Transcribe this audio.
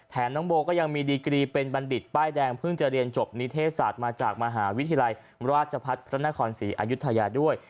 น้องโบก็ยังมีดีกรีเป็นบัณฑิตป้ายแดงเพิ่งจะเรียนจบนิเทศศาสตร์มาจากมหาวิทยาลัยราชพัฒน์พระนครศรีอายุทยาด้วย